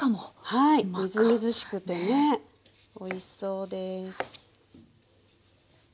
はいみずみずしくてねおいしそうです。